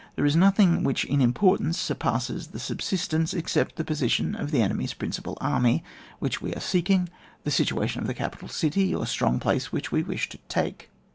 There is nothing which in importance surpasses the subsistence, except the position of the enemy's prin cipal army, which we are seelung, the situation of the capital city, or strong place which we wish to take.